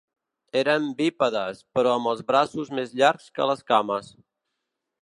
Eren bípedes però amb els braços més llargs que les cames.